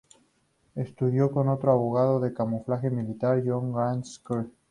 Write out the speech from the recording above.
Estudió con otro abogado de camuflaje militar, John Graham Kerr.